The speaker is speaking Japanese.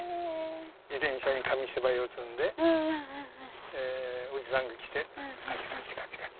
自転車に紙芝居を積んでおじさんが来てカチカチカチカチと。